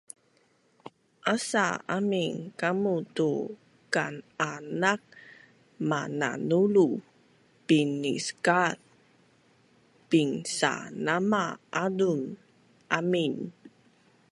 Asa amin kamu tu kan-anak mananulu, binis kaaz pinsanama-azun amin